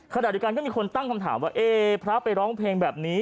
ขณะเดียวกันก็มีคนตั้งคำถามว่าเอ๊พระไปร้องเพลงแบบนี้